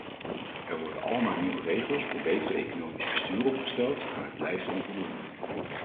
Er worden almaar nieuwe regels voor beter economisch bestuur opgesteld, maar het blijft onvoldoende.